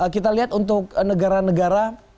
kita lihat untuk negara negara